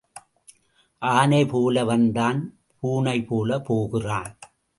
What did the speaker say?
ஆனை போல வந்தான் பூனை போலப் போகிறான்.